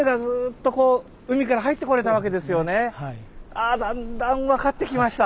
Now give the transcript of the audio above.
あだんだん分かってきました。